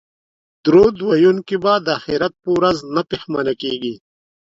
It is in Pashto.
درود ویونکی به د اخرت په ورځ نه پښیمانه کیږي